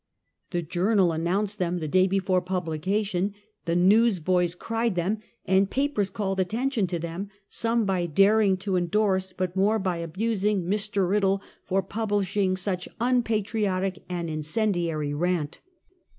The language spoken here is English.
The Journal announced them the day before publication, the news boys cried them, and papers called attention to them, some by daring to indorse, but more by abusing Mr. Riddle for publishing such unpatriotic and " incen diary rant."